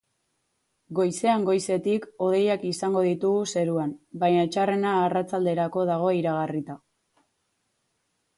Goizean goizetik, hodeiak izango ditugu zeruan, baina txarrena arratsalderako dago iragarrita.